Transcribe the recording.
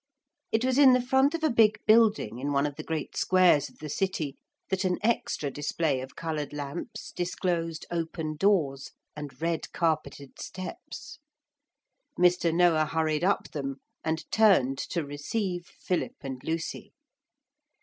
It was in the front of a big building in one of the great squares of the city that an extra display of coloured lamps disclosed open doors and red carpeted steps. Mr. Noah hurried up them, and turned to receive Philip and Lucy.